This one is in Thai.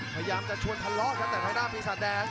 พยายามจะชวนทะเลาะกันแต่ภายด้านพี่สาดแดง